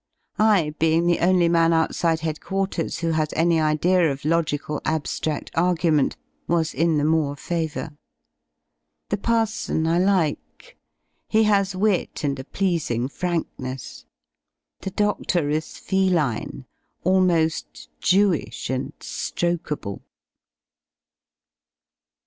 I, being the only man outside headquarters who has any idea of logical ab^rad^ argument, was in the more favour. The parson I like. He has wit and a pleasing frankness. The dodor is feline, almo^ Jewish and ^rokeable.